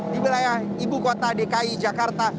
di wilayah ibu kota dki jakarta